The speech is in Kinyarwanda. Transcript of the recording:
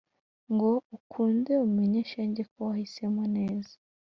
ngo ukunde umenye shenge ko wahisemo neza